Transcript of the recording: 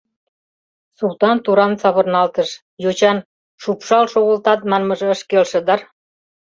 Султан туран савырналтыш: йочан «Шупшал шогылтат» манмыже ыш келше дыр.